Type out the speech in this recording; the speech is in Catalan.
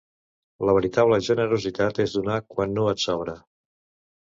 La veritable generositat és donar quan no et sobra.